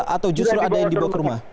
atau justru ada yang dibawa ke rumah